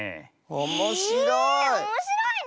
おもしろい！